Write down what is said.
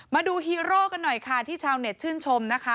ฮีโร่กันหน่อยค่ะที่ชาวเน็ตชื่นชมนะคะ